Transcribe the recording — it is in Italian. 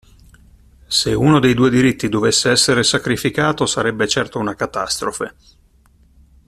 Se uno dei due diritti dovesse essere sacrificato, sarebbe certo una catastrofe.